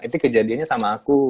itu kejadiannya sama aku